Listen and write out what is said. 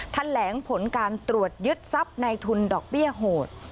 แถลงผลการตรวจยึดทรัพย์ในทุนดอกเบี้ยโหด